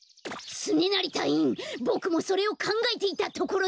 つねなりたいいんボクもそれをかんがえていたところだ！